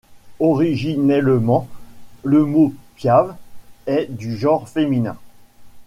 Originellement le mot Piave était du genre féminin.